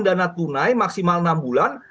dana tunai maksimal enam bulan